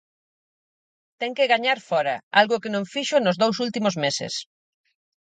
Ten que gañar fóra, algo que non fixo nos dous últimos meses.